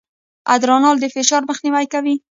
ادرانال د فشار مخنیوی کوي.